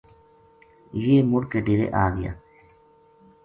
یہ مُڑ کے ڈیرے آ گیا